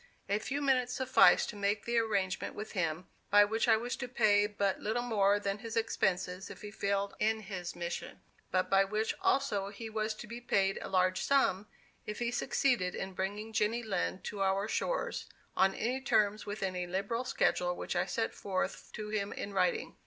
A few minutes sufficed to make the arrangement with him, by which I was to pay but little more than his expenses if he failed in his mission, but by which also he was to be paid a large sum if he succeeded in bringing Jenny Lind to our shores, on any terms within a liberal schedule which I set forth to him in writing.